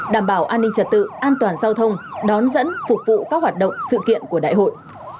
đảm bảo an ninh trật tự an toàn giao thông đón dẫn phục vụ các hoạt động sự kiện của đại hội